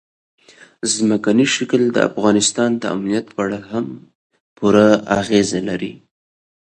ځمکنی شکل د افغانستان د امنیت په اړه هم پوره اغېز لري.